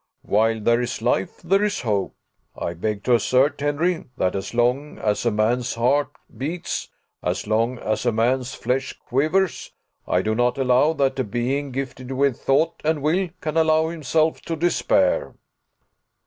"While there is life there is hope. I beg to assert, Henry, that as long as a man's heart beats, as long as a man's flesh quivers, I do not allow that a being gifted with thought and will can allow himself to despair."